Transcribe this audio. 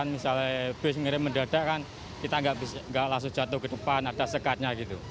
misalnya bus ngirim mendadak kan kita nggak langsung jatuh ke depan ada sekatnya gitu